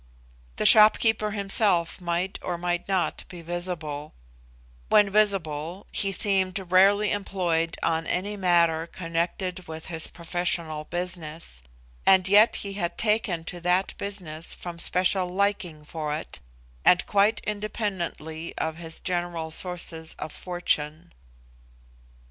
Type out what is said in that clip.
The shopkeeper himself might or might not be visible; when visible, he seemed rarely employed on any matter connected with his professional business; and yet he had taken to that business from special liking for it, and quite independently of his general sources of fortune.